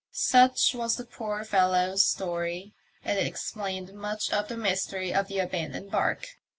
Such was the poor fellow's story, and it explained much of the mystery of the abandoned barque.